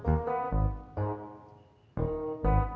lu harus berhenti' sih pas ikan itu